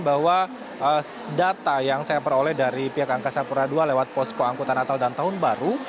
bahwa data yang saya peroleh dari pihak angkasa pura ii lewat posko angkutan natal dan tahun baru